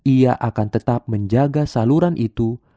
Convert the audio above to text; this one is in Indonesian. ia akan tetap menjaga saluran itu